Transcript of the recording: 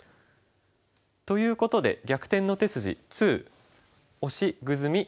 ということで「逆転の手筋２」。